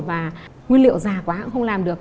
và nguyên liệu già quá cũng không làm được